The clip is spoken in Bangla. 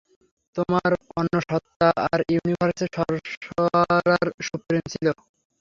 তোমার অন্য সত্তা তার ইউনিভার্সে সর্সারার সুপ্রিম ছিল।